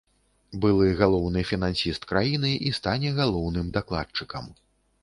Былы галоўны фінансіст краіны і стане галоўным дакладчыкам.